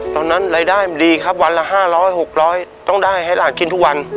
ตอนนั้นรายได้มันดีครับวันละ๕๐๐๖๐๐ต้องได้ให้หลานกินทุกวัน